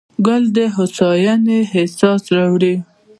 ګل د هوساینې احساس راوړي.